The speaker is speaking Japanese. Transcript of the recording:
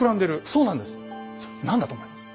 それ何だと思います？